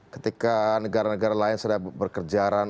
ketika negara negara lain sudah berkejaran